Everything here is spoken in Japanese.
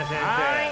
はい。